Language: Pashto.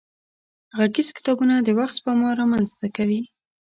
غږيز کتابونه د وخت سپما را منځ ته کوي.